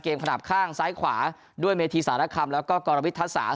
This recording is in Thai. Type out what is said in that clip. ขนาดข้างซ้ายขวาด้วยเมธีสารคำแล้วก็กรวิทยาศาส